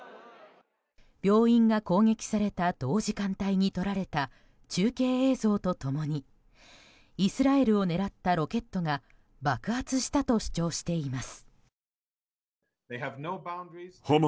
病院が攻撃された同時間帯に撮られた中継映像と共にイスラエルを狙ったロケットが爆発したと主張しています。